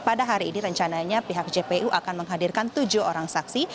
pada hari ini rencananya pihak jpu akan menghadirkan tujuh orang saksi